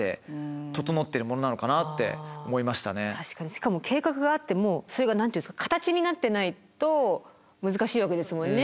しかも計画があってもそれが形になってないと難しいわけですもんね。